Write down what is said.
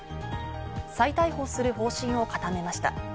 再逮捕する方針を固めました。